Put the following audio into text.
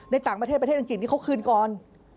ในต่างประเทศประเทศอังกฤษนี่เขาคืนก่อน